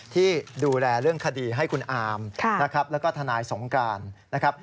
ที่ดูแลเรื่องคดีให้คุณอามนะครับแล้วก็ทนายสงการนะครับ